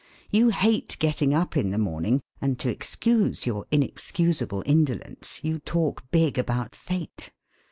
You hate getting up in the morning, and to excuse your inexcusable indolence you talk big about Fate.